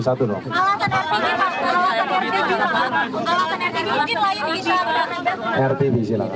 mungkin dari tempat yang lain pak